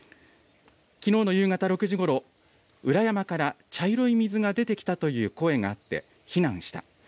きのうの夕方６時ごろ、裏山から茶色い水が出てきたという声があって、避難した。